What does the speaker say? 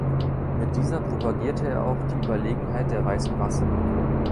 Mit dieser propagierte er auch die Überlegenheit der weißen Rasse.